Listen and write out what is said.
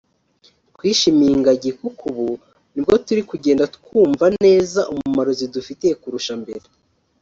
twishimiye ingagi kuko ubu nibwo turi kugenda twumva neza umumaro zidufitiye kurusha mbere